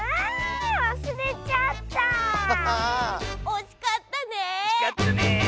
おしかったね。